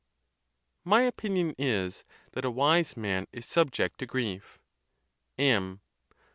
My opinion is, that a wise man is subject to grief. M.